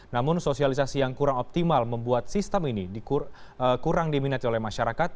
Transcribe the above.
namun sosialisasi yang kurang optimal membuat sistem ini kurang diminati oleh masyarakat